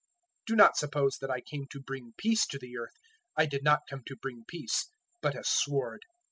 010:034 "Do not suppose that I came to bring peace to the earth: I did not come to bring peace but a sword.